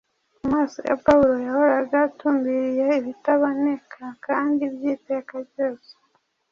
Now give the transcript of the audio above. Amaso ya Pawulo yahoraga atumbiriye ibitaboneka kandi by’iteka ryose.